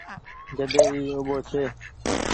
جڏي اي اوٻو ڇي۔